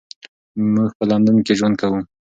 موږ به په لندن کې ژوند کوو.